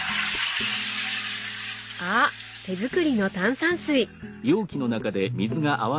あ手作りの炭酸水！